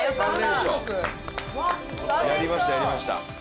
やりましたやりました。